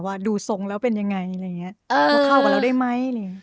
ว่าดูทรงแล้วเป็นยังไงว่าเข้ากับเราได้ไหม